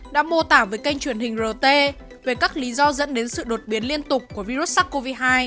đã mô tả với kênh truyền hình rt về các lý do dẫn đến sự đột biến liên tục của virus sars cov hai